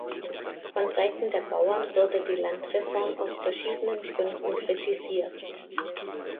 Von Seiten der Bauern wurde die Landreform aus verschiedenen Gründen kritisiert.